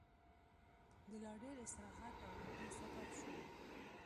د لا ډېر استراحت او لټۍ سبب شو.